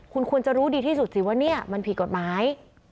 คุณควรจะรู้ดีที่สุดสิว่าเนี่ยมันผิดกฎหมาย